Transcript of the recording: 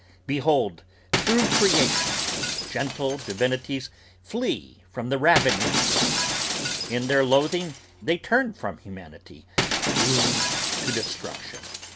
Behold through creation The gentle divinities flee from the ravening earth; in Their loathing they turn from humanity, doomed to destruction!